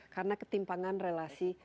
karena ketimpangan relasi